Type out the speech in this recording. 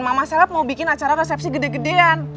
mama selap mau bikin acara resepsi gede gedean